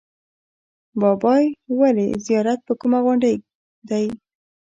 بابای ولي زیارت په کومه غونډۍ دی؟